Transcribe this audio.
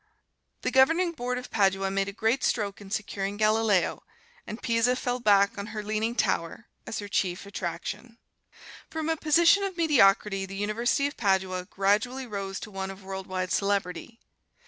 The Governing Board of Padua made a great stroke in securing Galileo, and Pisa fell back on her Leaning Tower as her chief attraction. From a position of mediocrity, the University of Padua gradually rose to one of worldwide celebrity.